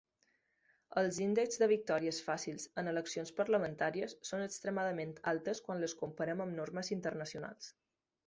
Els índexs de victòries fàcils en eleccions parlamentàries són extremadament altes quan les comparem amb normes internacionals.